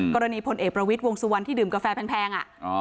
พลเอกประวิทย์วงสุวรรณที่ดื่มกาแฟแพง